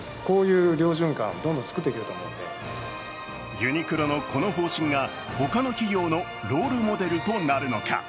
ユニクロのこの方針が他の企業のロールモデルとなるのか。